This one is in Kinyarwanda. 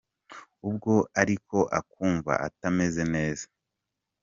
Ubwo ariko akumva atameze neza